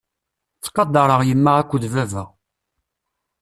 Ttqadareɣ yemma akked baba.